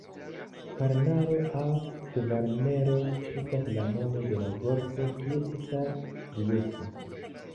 Karnaro aŭ Kvarnero estas la nomo de la golfo kie estas Rijeka.